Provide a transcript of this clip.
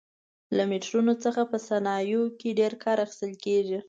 له میټرونو څخه په صنایعو کې ډېر کار اخیستل کېږي.